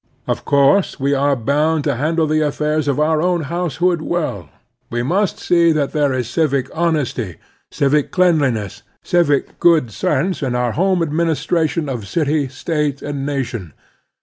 Of course we are boimd to handle the affairs of our own household well. We must see that there is civic honesty, civic cleanliness, civic good sense in our home administration of city, State, and nation.